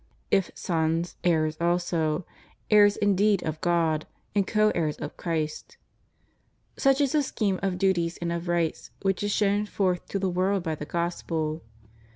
// sons, heirs also; heirs indeed of God, and co heirs of Christ} Such is the scheme of duties and of rights which is shown forth to the world by the Gospel.